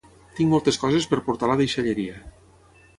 tinc moltes coses per portar a la deixalleria